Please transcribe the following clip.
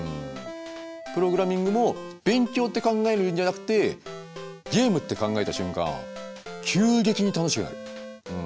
プログラミングも勉強って考えるんじゃなくてゲームって考えた瞬間急激に楽しくなる。